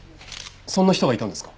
そんな人がいたんですか？